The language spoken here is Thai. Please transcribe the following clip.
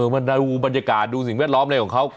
มาดูบรรยากาศดูสิ่งแวดล้อมอะไรของเขา